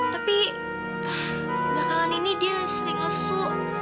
tapi datangan ini dia yang sering ngesu